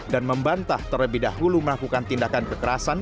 dan membantah terlebih dahulu melakukan tindakan kekerasan